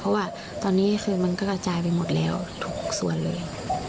เพราะว่าตอนนี้คือมันก็กระจายไปหมดแล้วทุกส่วนเลย